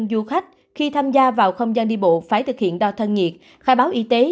du khách khi tham gia vào không gian đi bộ phải thực hiện đo thân nhiệt khai báo y tế